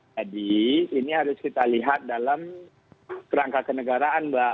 jadi ini harus kita lihat dalam rangka kenegaraan